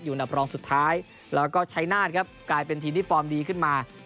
อันดับรองสุดท้ายแล้วก็ชัยนาธครับกลายเป็นทีมที่ฟอร์มดีขึ้นมา